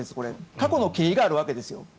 過去の経緯があるわけですよ。